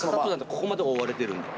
ここまで覆われてるんで。